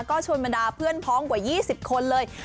ก็ชวนบรรดาเพื่อนพ้องกว่า๒๐คนเลย